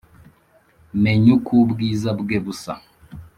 meny’ uk’ ubwiza bwe busa